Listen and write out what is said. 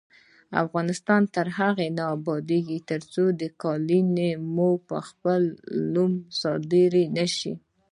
افغانستان تر هغو نه ابادیږي، ترڅو قالینې مو په خپل نوم صادرې نشي.